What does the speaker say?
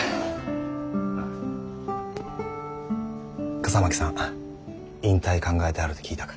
笠巻さん引退考えてはるて聞いたか？